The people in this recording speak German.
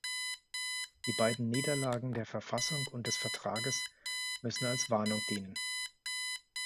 Die beiden Niederlagen der Verfassung und des Vertrags müssen als Warnung dienen.